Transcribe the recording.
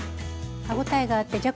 歯応えがあってじゃ